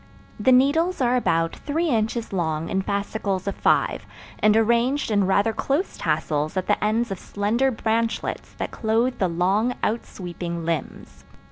The needles are about three inches long in fascicles of five, and arranged in rather close tassels at the ends of slender branchlets that clothe the long outsweeping limbs.